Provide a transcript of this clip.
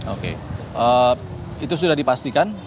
oke itu sudah dipastikan oleh mk